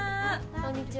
こんにちは！